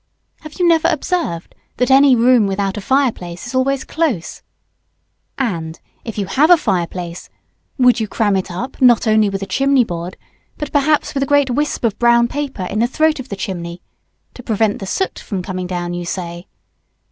Have you never observed that any room without a fire place is always close? And, if you have a fire place, would you cram it up not only with a chimney board, but perhaps with a great wisp of brown paper, in the throat of the chimney to prevent the soot from coming down, you say?